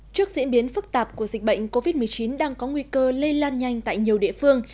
trước diễn biến phức tạp của dịch bệnh covid một mươi chín đang có nguy cơ lây lan nhanh tại nhiều địa phương